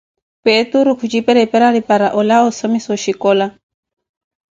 Peturu khutxipereperari para oolawa ossomima oxhicola